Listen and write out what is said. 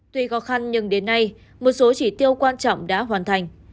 tuy khó khăn nhưng đến nay một số chỉ tiêu quan trọng đã hoàn thành